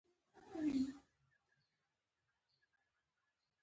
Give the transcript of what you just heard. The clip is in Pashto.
احمد تل په پردیو لانجو کې گوتې وهي